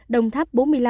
đồng tháp bốn mươi năm